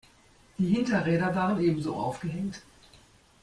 Die Hinterräder waren ebenso aufgehängt.